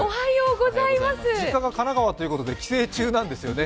実家が神奈川ということで帰省中なんですよね？